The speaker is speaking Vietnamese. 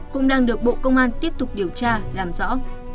cũng đang được bộ công an tiếp tục điều tra làm rõ